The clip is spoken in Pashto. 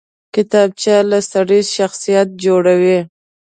کتابچه له سړي شخصیت جوړوي